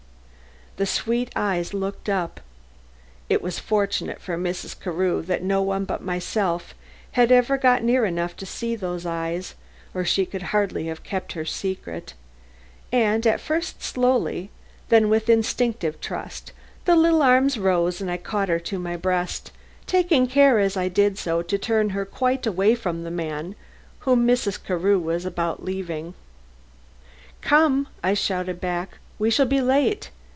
The sweet eyes looked up it was fortunate for Mrs. Carew that no one but myself had ever got near enough to see those eyes or she could hardly have kept her secret and at first slowly, then with instinctive trust, the little arms rose and I caught her to my breast, taking care as I did so to turn her quite away from the man whom Mrs. Carew was about leaving. "Come!" I shouted back, "we shall be late!"